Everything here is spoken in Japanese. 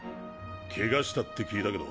ケガしたって聞いたけど。